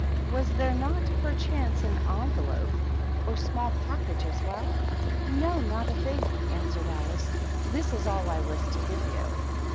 "Was there not, perchance, an envelope or small package as well?" "No, not a thing," answered Alice. "This is all I was to give you."